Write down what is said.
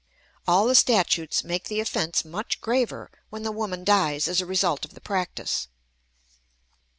All the statutes make the offense much graver when the woman dies as a result of the practice.